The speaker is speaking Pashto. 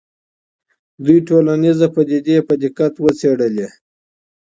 دوی ټولنیزې پدیدې په دقت وڅېړلې.